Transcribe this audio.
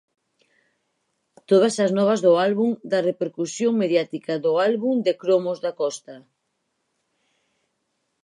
Todas as novas do álbum "da repercusión mediática do álbum de cromos da Costa".